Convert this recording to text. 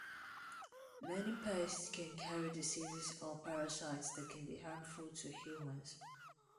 Many pests can carry diseases or parasites that can be harmful to humans.